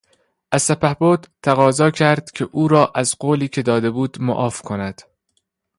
از سپهبد تقاضا کرد که او را از قولی که داده بود معاف کند.